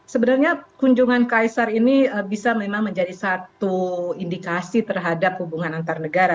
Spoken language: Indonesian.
sebenarnya kunjungan kaisar ini bisa memang menjadi satu indikasi terhadap hubungan antar negara